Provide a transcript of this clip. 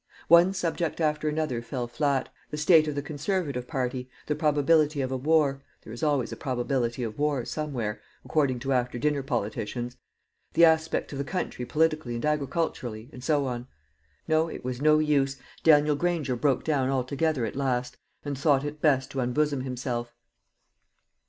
One subject after another fell flat: the state of the Conservative party, the probability of a war there is always a probability of war somewhere, according to after dinner politicians the aspect of the country politically and agriculturally, and so on. No, it was no use; Daniel Granger broke down altogether at last, and thought it best to unbosom himself.